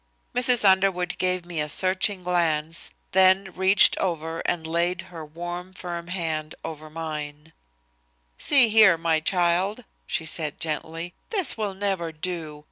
Mrs. Underwood gave me a searching glance, then reached over and laid her warm, firm hand over mine. "See here, my child," she said gently, "this will never do.